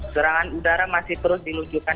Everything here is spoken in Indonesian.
serangan udara masih terus diluncurkan